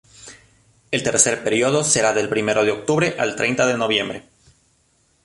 El tercer período será del primero de octubre al treinta de noviembre.